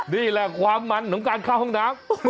นี่แหละความมันของการเข้าห้องน้ำ